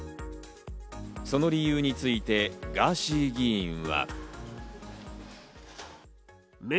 その理由についてガーシー議員は。